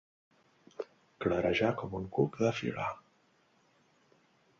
Clarejar com un cuc de filar.